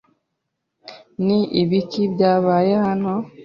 Ni ibiki byabaye hano?